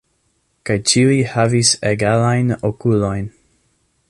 Kaj ĉiuj havis egalajn okulojn.